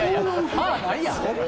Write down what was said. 歯ないやん！